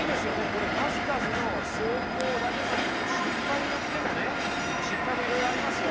これ数々の成功だけじゃなくて失敗によってもねその失敗もいろいろありますよ。